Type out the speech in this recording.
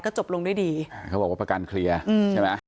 จบลงด้วยดีอ่าเขาบอกว่าประกันเคลียร์อืมใช่ไหม